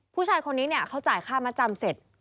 ผู้ชายคนนี้เขาจ่ายค่ามาจำเสร็จ